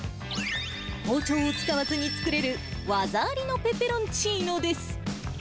包丁を使わずに作れる、技ありのペペロンチーノです。